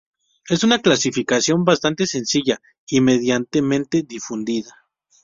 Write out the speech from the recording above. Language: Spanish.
Es una clasificación bastante sencilla, y medianamente difundida.